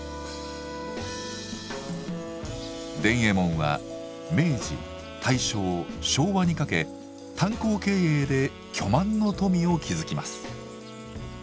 伝右衛門は明治大正昭和にかけ炭鉱経営で巨万の富を築きます。